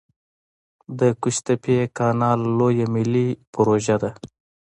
د قوش تیپې کانال لویه ملي پروژه ده